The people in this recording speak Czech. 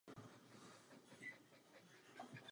Z tohoto důvodu jsem hlasoval proti přijetí zprávy.